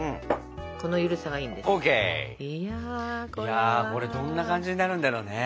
いやこれどんな感じになるんだろうね。